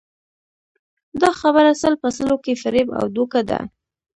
دا خبره سل په سلو کې فریب او دوکه ده